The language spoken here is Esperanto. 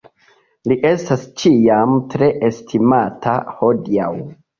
Li estas ĉiam tre estimata hodiaŭ.